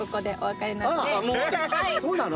そうなの？